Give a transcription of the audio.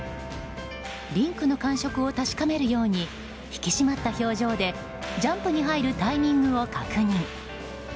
リンクの感触を確かめるように引き締まった表情でジャンプに入るタイミングを確認。